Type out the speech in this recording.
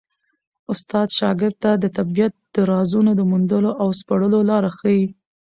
استاد شاګرد ته د طبیعت د رازونو د موندلو او سپړلو لاره ښيي.